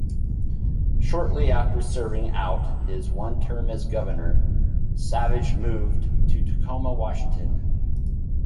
Shortly after serving out his one term as governor, Savage moved to Tacoma, Washington.